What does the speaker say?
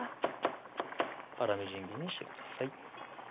粗みじん切りにしてください